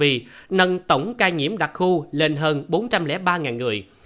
ghi nhận tổng ca nhiễm đặc khu lên hơn bốn trăm linh ba người